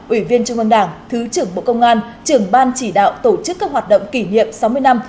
ủy viên trung ương đảng thứ trưởng bộ công an trưởng ban chỉ đạo tổ chức các hoạt động kỷ niệm sáu mươi năm